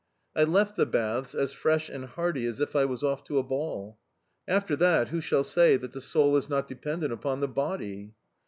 I left the baths as fresh and hearty as if I was off to a ball. After that, who shall say that the soul is not dependent upon the body!...